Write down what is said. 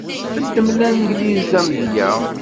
Ddem Langliz d amedya.